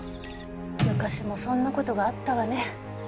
昔もそんなことがあったわね